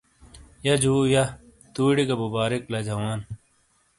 یہہ جُو یہہ، تُوئی ڑے گہ بُبارک لا جوان۔۔